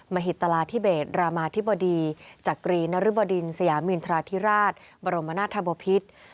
มหิตราธิเบศรามาธิบดีจักรีนริบดินสยามินทราธิราชบรมนาธบพิษ